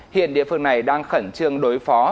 hiện địa phương này đang khẩn trương đối phó